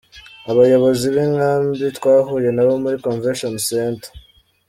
Abayobozi b’inkambi twahuye nabo muri Convention Center.